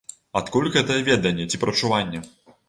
Адкуль гэтае веданне ці прадчуванне?